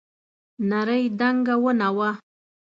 نرۍ دنګه ونه وه.